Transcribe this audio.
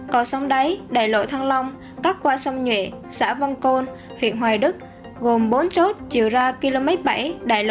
cảm ơn các bạn đã theo dõi